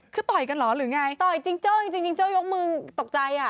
คือต่อยกันหรือไงจิงโจ้ยกมือถูกใจอ่ะ